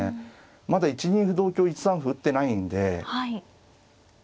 まだ１二歩同香１三歩打ってないんで。